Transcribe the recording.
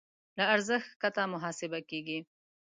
له ارزښت کښته محاسبه کېږي.